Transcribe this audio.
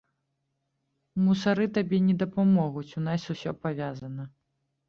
Мусары табе не дапамогуць, у нас усё павязана.